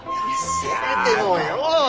せめてもよ！